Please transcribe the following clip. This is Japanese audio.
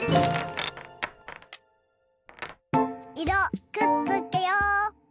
いろくっつけよ。